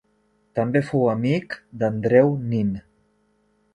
També fou amic d'Andreu Nin.